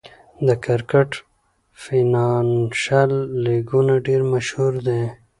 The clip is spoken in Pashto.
د کرکټ فینانشل لیګونه ډېر مشهور دي.